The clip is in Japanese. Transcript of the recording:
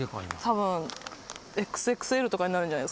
たぶんＸＸＬとかになるんじゃないっすかね